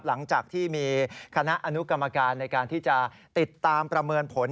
หลังจากที่มีคณะอนุกรรมการในการที่จะติดตามประเมินผล